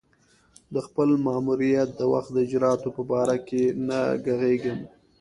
د خپل ماموریت د وخت د اجرآتو په باره کې نه ږغېږم.